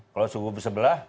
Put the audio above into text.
kalau kubu sebelah